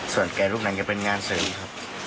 ส่วนแก่ลูกหนังจะเป็นงานเสริมครับ